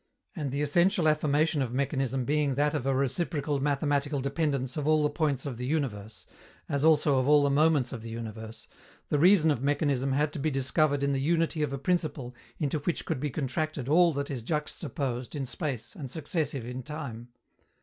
And the essential affirmation of mechanism being that of a reciprocal mathematical dependence of all the points of the universe, as also of all the moments of the universe, the reason of mechanism had to be discovered in the unity of a principle into which could be contracted all that is juxtaposed in space and successive in time.